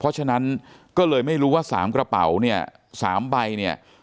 เพราะฉะนั้นก็เลยไม่รู้ว่า๓กระเป๋าเนี่ย๓ใบเนี่ย